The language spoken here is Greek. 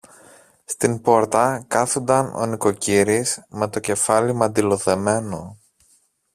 Στην πόρτα κάθουνταν ο νοικοκύρης με το κεφάλι μαντιλοδεμένο